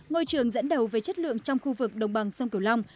ngôi trường dẫn đầu về chất lượng trong khu vực đồng bằng sông cửu long